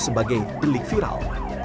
sebagai delik viral